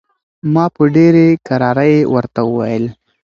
ما په ډېرې کرارۍ ورته وویل.